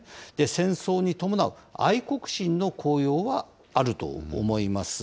戦争に伴う愛国心の高揚はあると思います。